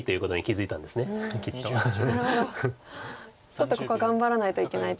ちょっとここは頑張らないといけないと。